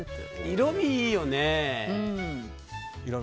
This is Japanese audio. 色味いいよね。